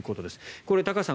これ、高橋さん